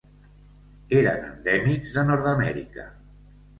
Eren endèmics de Nord-amèrica.